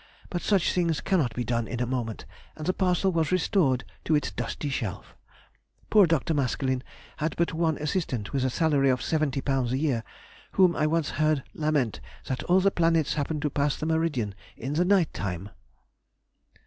But such things cannot be done in a moment, and the parcel was restored to its dusty shelf. Poor Dr. Maskelyne had but one assistant, with a salary of £70 a year, whom I once heard lament that all the planets happened to pass the meridian in the night time!"